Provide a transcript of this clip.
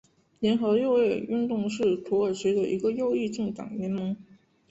联合六月运动是土耳其的一个左翼政党联盟。